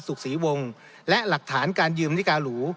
สุขศรีวงศ์และหลักฐานการยืมนาฬิกาหรู